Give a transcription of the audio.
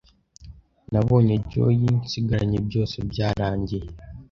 nabonye Joy nsigaranye byose byarangiye